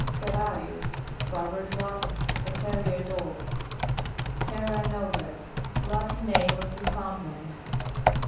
TERRARIUS. Barbarous Latin. A terrier dog. TERR^E NOV^E. Latin name of New foundland.